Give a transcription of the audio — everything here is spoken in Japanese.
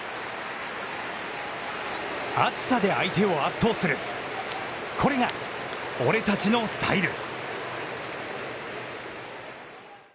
熱さで相手を圧倒する、これが俺たちのスタイル。